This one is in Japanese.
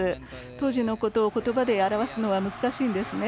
当時のことを言葉で表すのは難しいんですね。